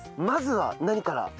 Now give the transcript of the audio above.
まずは何から？